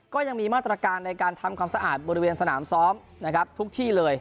ก็ยังมีมาตรการในการทำความสะอาดบริเวณสนามซ้อมนะครับทุกที่เลย